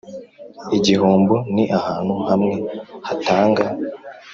igihombo ni ahantu hamwe hatanga